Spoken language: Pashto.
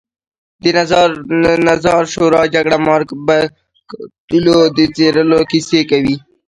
د نظار شورا جګړهمار بکارتونو د څېرلو کیسې کوي.